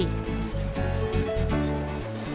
kain di pola sesuai